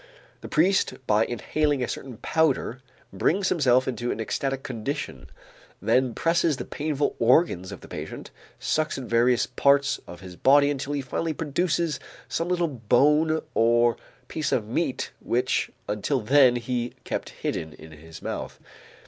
The priest by inhaling a certain powder brings himself into an ecstatic condition, then presses the painful organs of the patient, sucks at various parts of his body until he finally produces some little bone or piece of meat which until then he kept hidden in his mouth.